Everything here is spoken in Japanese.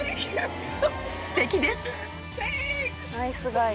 ［すてきです！］